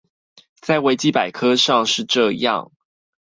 在維基百科上是這樣